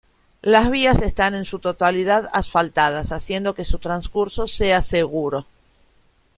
Las vías están en su totalidad asfaltadas, haciendo que su transcurso sea seguro.